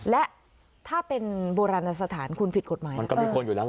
แล้วถ้าเป็นเบอราณสถานคุณผิดกฎมาย